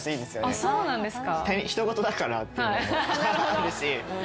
あっそうなんですか。